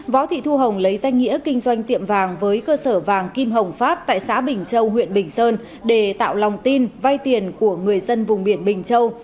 võ thị thu hồng lấy danh nghĩa kinh doanh tiệm vàng với cơ sở vàng kim hồng phát tại xã bình châu huyện bình sơn để tạo lòng tin vay tiền của người dân vùng biển bình châu